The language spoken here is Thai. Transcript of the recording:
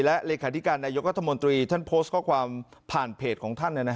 และเลขาธิการนายกรัฐมนตรีท่านโพสต์ข้อความผ่านเพจของท่าน